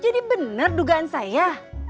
jadinya bener jugaan saya